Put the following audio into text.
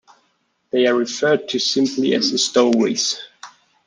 They are referred to simply as "the stowaways".